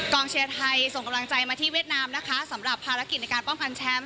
เชียร์ไทยส่งกำลังใจมาที่เวียดนามนะคะสำหรับภารกิจในการป้องกันแชมป์